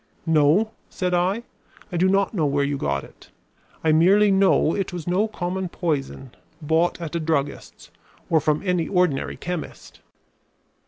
"No," said I, "I do not know where you got it. I merely know it was no common poison bought at a druggist's, or from any ordinary chemist."